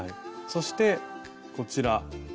そしてこちら。